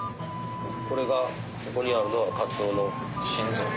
これがここにあるのはカツオの心臓。